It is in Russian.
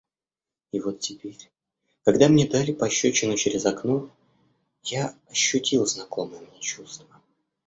И вот теперь, когда мне дали пощёчину через окно, я ощутил знакомое мне чувство.